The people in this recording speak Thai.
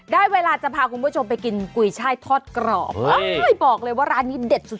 ได้เวลาจะพาคุณผู้ชมไปกินกุยช่ายทอดกรอบบอกเลยว่าร้านนี้เด็ดสุด